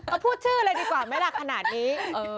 ก็พูดชื่อเลยดีกว่าไม่รักขนาดนี้